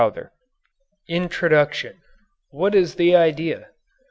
INDEX INTRODUCTION WHAT IS THE IDEA?